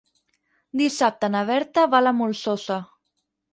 Dissabte na Berta va a la Molsosa.